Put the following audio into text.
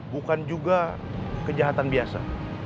bukan juga kejahatan biasa